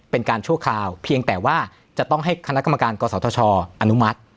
เป็นการชั่วคราวเพียงแต่ว่าจะต้องให้คณะกรรมการกศธชอนุมัติ